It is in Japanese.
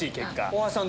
大橋さん